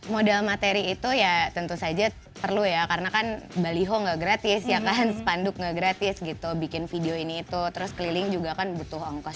modal materi itu ya tentu saja perlu ya karena kan baliho nggak gratis ya kan sepanduk gak gratis gitu bikin video ini itu terus keliling juga kan butuh ongkos